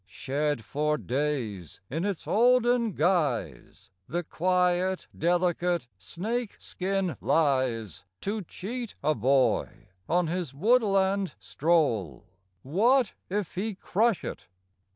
Shed for days, in its olden guise The quiet delicate snake skin lies To cheat a boy on his woodland stroll: What if he crush it?